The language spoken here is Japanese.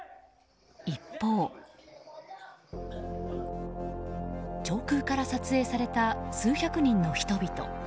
一方、上空から撮影された数百人の人々。